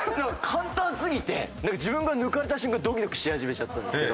簡単すぎてなんか自分が抜かれた瞬間ドキドキし始めちゃったんですけど。